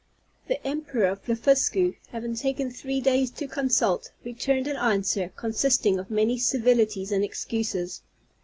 The Emperor of Blefuscu, having taken three days to consult, returned an answer, consisting of many civilities and excuses.